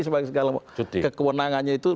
sebagai segala kekewenangannya itu